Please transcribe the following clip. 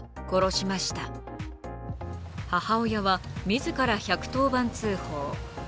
母親は自ら１１０番通報。